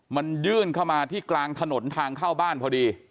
มันยื่นเข้ามาที่กลางถนนทางเข้าบ้านพอดี